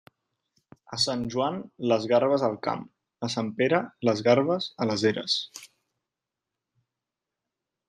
A Sant Joan, les garbes al camp; a Sant Pere, les garbes a les eres.